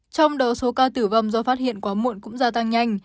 trong đó số ca tử vong do phát hiện quá muộn cũng gia tăng nhanh